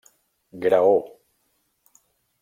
Graó.